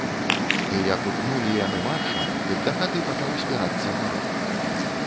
І як утнулі яны марша, дык да хаты пачаў збірацца народ.